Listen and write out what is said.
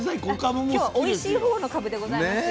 今日はおいしいほうのかぶでございますよ。